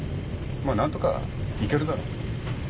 まあ何とか行けるだろ。